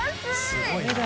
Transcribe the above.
すごいな。